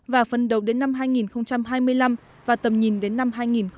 và phần đầu đến năm hai nghìn hai mươi năm và tầm nhìn đến năm hai nghìn ba mươi